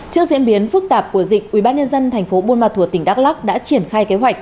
trước diễn biến phức tạp của dịch ubnd tp buôn ma thuột tỉnh đắk lắc đã triển khai kế hoạch